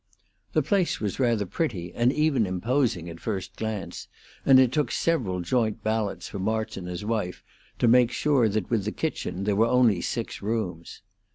The place was rather pretty and even imposing at first glance, and it took several joint ballots for March and his wife to make sure that with the kitchen there were only six rooms.